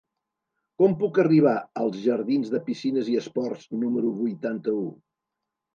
Com puc arribar als jardins de Piscines i Esports número vuitanta-u?